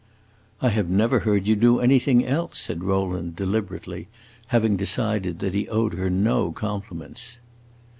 "I have never heard you do anything else," said Rowland, deliberately, having decided that he owed her no compliments.